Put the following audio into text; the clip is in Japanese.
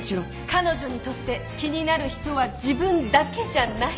彼女にとって気になる人は自分だけじゃない。